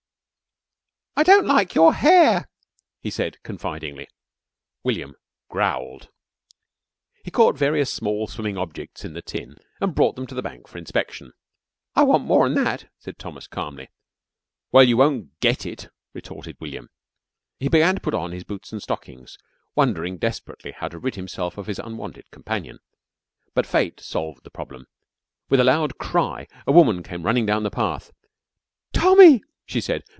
"I don't like your hair," he said confidingly. William growled. He caught various small swimming objects in the tin, and brought them to the bank for inspection. "I want more'n that," said Thomas calmly. "Well, you won't get it," retorted William. He began to put on his boots and stockings, wondering desperately how to rid himself of his unwanted companion. But Fate solved the problem. With a loud cry a woman came running down the path. "Tommy," she said.